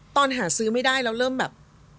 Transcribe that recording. ตอนหาซื้อไม่ได้แล้วเริ่มแบบ